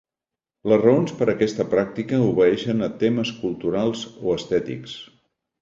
Les raons per a aquesta pràctica obeeixen a temes culturals o estètics.